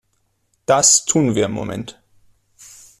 Das tun wir im Moment.